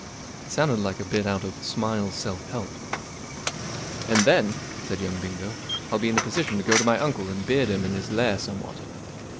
It sounded like a bit out of 41 Smiles's Self Help." 44 And then," said young Bingo, 44 I'll be in a position to go to my uncle and beard him in his lair somewhat.